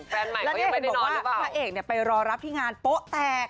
แล้วหนุ่มพี่แรกต้องบอกว่าพระเอกไปรอรับที่งานโป๊ะแตก